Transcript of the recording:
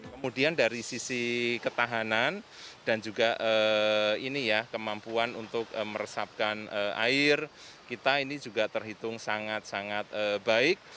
kemudian dari sisi ketahanan dan juga ini ya kemampuan untuk meresapkan air kita ini juga terhitung sangat sangat baik